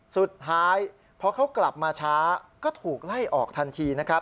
สุดท้ายเพราะเขากลับมาช้าก็ถูกไล่ออกทันที